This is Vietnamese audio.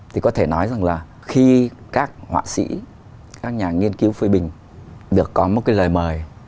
thì có thể nói rằng là khi các họa sĩ các nhà nghiên cứu phê bình được có một cái lời mời